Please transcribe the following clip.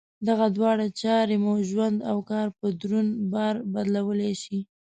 دغه دواړه چارې مو ژوند او کار په دروند بار بدلولای شي.